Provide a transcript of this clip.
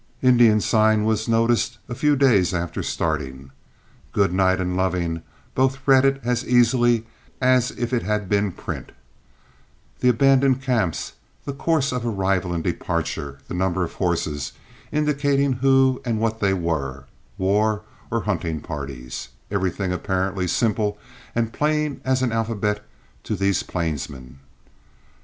Indian sign was noticed a few days after starting. Goodnight and Loving both read it as easily as if it had been print, the abandoned camps, the course of arrival and departure, the number of horses, indicating who and what they were, war or hunting parties everything apparently simple and plain as an alphabet to these plainsmen.